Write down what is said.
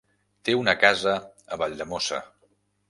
Té una casa a Valldemossa.